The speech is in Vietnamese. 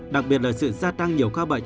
đặc biệt là sự gia tăng nhiều ca bệnh